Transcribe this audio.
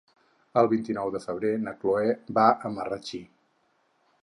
El vint-i-nou de febrer na Cloè va a Marratxí.